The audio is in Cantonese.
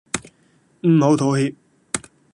唔好妥協